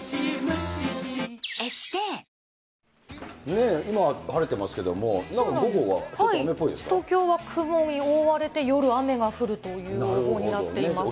ねえ、今晴れてますけど、東京は雲に覆われて、夜雨が降るという予報になっています。